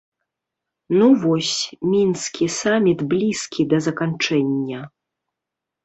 Ну вось, мінскі саміт блізкі да заканчэння.